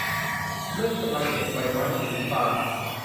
เม่นกำลังเก็บใบไม้สีน้ำตาล